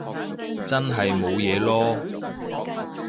真係冇嘢囉